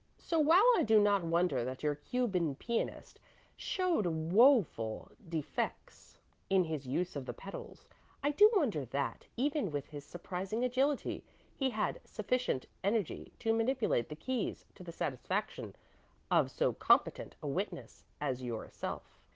So, while I do not wonder that your Cuban pianist showed woful defects in his use of the pedals, I do wonder that, even with his surprising agility, he had sufficient energy to manipulate the keys to the satisfaction of so competent a witness as yourself."